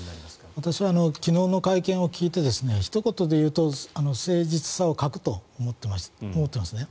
私は昨日の会見を聞いてひと言で言うと誠実さを欠くと思っていますね。